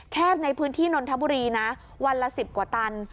ในพื้นที่นนทบุรีนะวันละ๑๐กว่าตัน